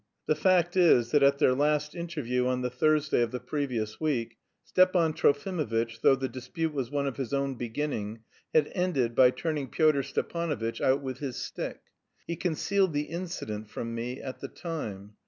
The fact is that at their last interview on the Thursday of the previous week, Stepan Trofimovitch, though the dispute was one of his own beginning, had ended by turning Pyotr Stepanovitch out with his stick. He concealed the incident from me at the time.